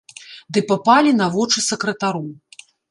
Ды папалі на вочы сакратару.